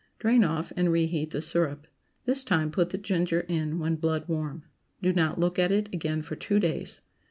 Drain off and reheat the syrup. This time put the ginger in when blood warm. Do not look at it again for two days.